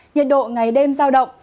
nhiệt độ ngày đêm giao động